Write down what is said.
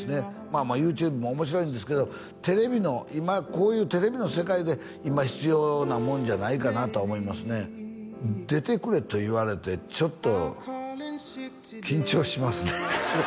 まあまあＹｏｕＴｕｂｅも面白いんですけどテレビの今こういうテレビの世界で今必要なもんじゃないかなと思いますね「出てくれ」と言われてちょっと緊張しますね